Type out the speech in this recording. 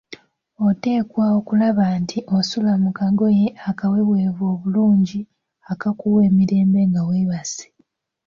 Oteekwa okulaba nti osula mu kagoye akaweweevu obulungi akakuwa emirembe nga weebase.